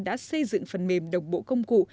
đã xây dựng phần mềm đồng bộ công cụ